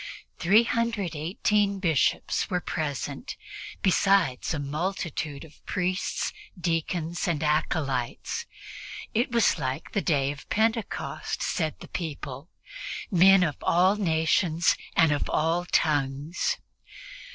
Three hundred eighteen Bishops were present, besides a multitude of priests, deacons and acolytes. It was like the Day of Pentecost, said the people: "men of all nations and of all tongues."